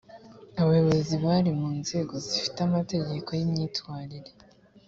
abayobozi bari mu nzego zifite amategeko y imyitwarire